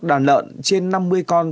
đàn lợn trên năm mươi con